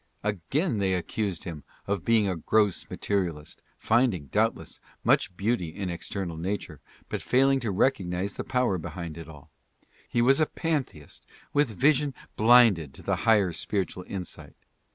Again they accused him of being a gross materialist, finding, doubtless, much beauty in external nature, but failing to recog nize the power behind it all. He was a pantheist with vision blinded to the higher spiritual insight.